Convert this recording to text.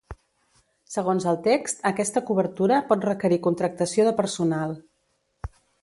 Segons el text, aquesta cobertura pot requerir contractació de personal.